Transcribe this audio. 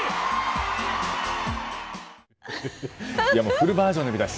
フルバージョンで見たい！